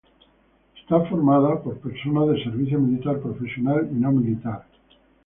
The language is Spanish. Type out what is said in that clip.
Está formada por personal de servicio militar profesional y no militar.